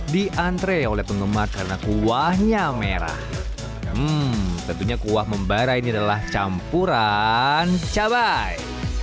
diantre oleh penggemar karena kuahnya merah tentunya kuah membara ini adalah campuran cabai